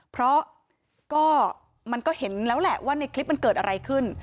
เพราะก็มันก็เห็นแล้วแหละว่าในคลิปมันเกิดอะไรขึ้น